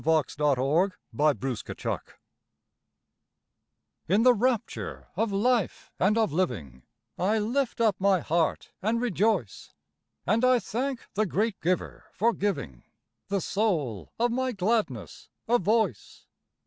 A SONG OF LIFE In the rapture of life and of living, I lift up my heart and rejoice, And I thank the great Giver for giving The soul of my gladness a voice.